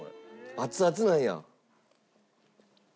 熱々なんや。